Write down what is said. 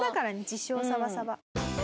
自称サバサバ。